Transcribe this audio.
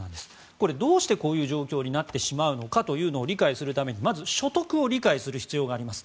これ、どうしてこういう状況になってしまうのかというのを理解するためにまず所得を理解する必要があります。